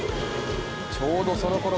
ちょうどそのころ